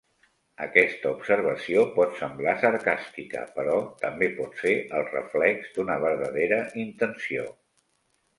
Aquesta observació pot semblar sarcàstica, però també pot ser el reflex d'una verdadera intenció.